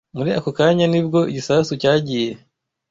Muri ako kanya ni bwo igisasu cyagiye.